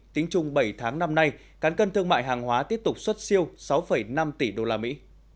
tính chung bảy tháng năm nay cán cân thương mại hàng hóa tiếp tục xuất siêu sáu năm tỷ đô la mỹ